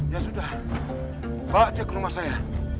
ya sudah bawa dia ke rumah saya